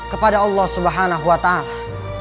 kepada allah subhanahu wa ta'ala